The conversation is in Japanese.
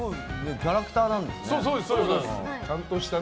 キャラクターなんですね。